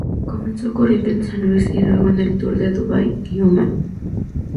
Comenzó corriendo en San Luis y luego en el Tour de Dubái y Omán.